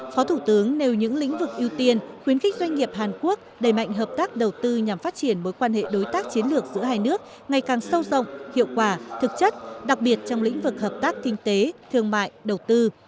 phó thủ tướng nêu những lĩnh vực ưu tiên khuyến khích doanh nghiệp hàn quốc đẩy mạnh hợp tác đầu tư nhằm phát triển mối quan hệ đối tác chiến lược giữa hai nước ngày càng sâu rộng hiệu quả thực chất đặc biệt trong lĩnh vực hợp tác kinh tế thương mại đầu tư